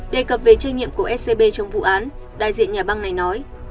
đề cập về trách nhiệm của scb trong vụ án đại diện nhà băng này nói